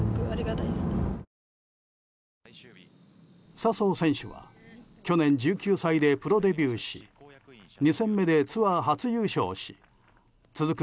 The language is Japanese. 笹生選手は去年、１９歳でプロデビューし２戦目でツアー初優勝し続く